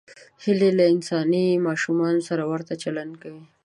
هیلۍ له انساني ماشومانو سره ورته چلند کوي